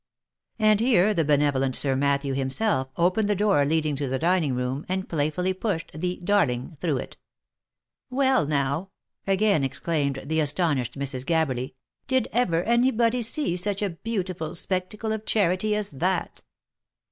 And here the benevolent Sir Matthew himself opened the door leading to the dining room, and playfully pushed the " darling " through it. " Well now !" again exclaimed the astonished Mrs. Gabberly " did ever any body see such a beautiful spectacle of charity as that?"